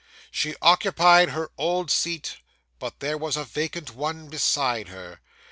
She occupied her old seat, but there was a vacant one beside her.